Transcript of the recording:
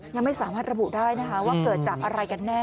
ยังไม่สามารถระบุได้นะคะว่าเกิดจากอะไรกันแน่